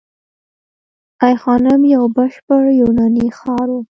ای خانم یو بشپړ یوناني ښار و